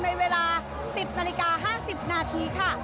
ในเวลา๑๐นาฬิกา๕๐นาทีค่ะ